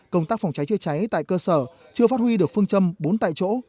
công tác phòng cháy chữa cháy tại cơ sở chưa phát huy được phương châm bốn tại chỗ